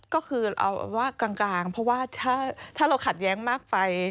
ก็คือเอาว่ากลางเพราะว่าถ้าเราขัดแย้งมากไป